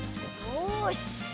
よし！